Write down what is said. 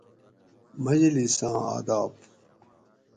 مجلِساں آداب